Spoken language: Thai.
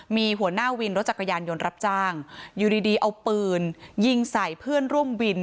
มีหัวหน้าวินรถจักรยานยนต์รับจ้างอยู่ดีเอาปืนยิงใส่เพื่อนร่วมวิน